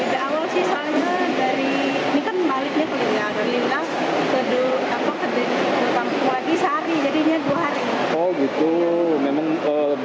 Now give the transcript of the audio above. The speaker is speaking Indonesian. dari awal sih soalnya dari ini kan baliknya ke lina ke duk ke duk ke duk ke lampung lagi sehari